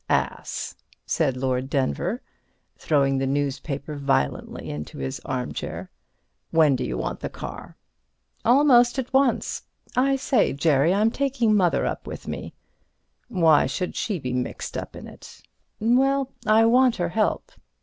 "Ass!" said Lord Denver, throwing the newspaper violently into his armchair. "When do you want the car?" "Almost at once. I say, Jerry, I'm taking Mother up with me." "Why should she be mixed up in it?" "Well, I want her help."